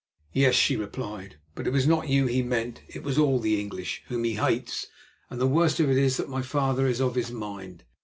"Yes," she replied, "but it was not you he meant; it was all the English, whom he hates; and the worst of it is that my father is of his mind.